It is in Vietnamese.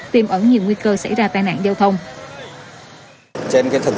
tìm ẩn nhiều nguy cơ xảy ra tai nạn giao thông